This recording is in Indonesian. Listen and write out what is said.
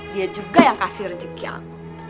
dia juga yang kasih rezeki aku